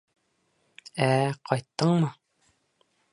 Ә-ә, ҡайттыңмы?